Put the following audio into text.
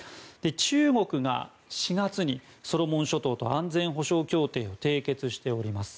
中国が４月にソロモン諸島と安全保障協定を締結しております。